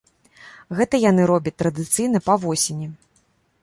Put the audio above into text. Гэта яны робяць традыцыйна па восені.